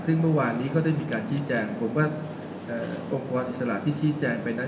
ซึ่งเมื่อวานนี้ก็ได้มีการชี้แจงผมว่าองค์กรอิสระที่ชี้แจงไปนั้น